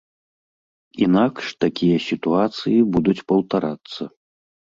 Інакш такія сітуацыі будуць паўтарацца.